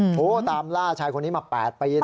โทรตามล่าชายคนนี้มา๘ปีนะ